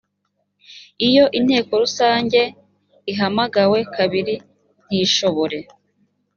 iyo inteko rusange ihamagawe kabiri ntishobore